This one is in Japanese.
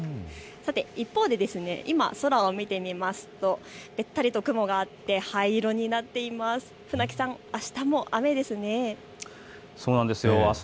一方で、空を見てみますとべったりと雲があって灰色になっています。